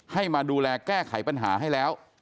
ให้มาดูแลแก้ไขปัญหาให้แล้ว